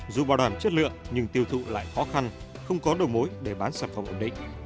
dù bảo đảm chất lượng nhưng tiêu thụ lại khó khăn không có đầu mối để bán sản phẩm ổn định